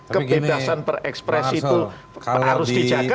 kebedasan perekspresi itu harus dijaga